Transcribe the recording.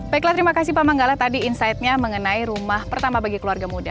baiklah terima kasih pak manggala tadi insightnya mengenai rumah pertama bagi keluarga muda